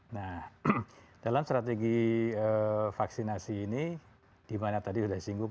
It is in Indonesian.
nah dalam strategi vaksinasi ini di mana tadi sudah singgup